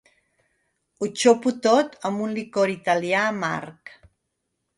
Ho xopo tot amb un licor italià amarg.